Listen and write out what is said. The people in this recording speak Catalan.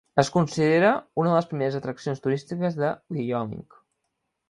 Es considera una de les primeres atraccions turístiques de Wyoming.